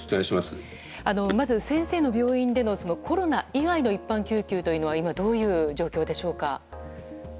まず先生の病院でのコロナ以外の一般救急は今、どういう状況でしょうか。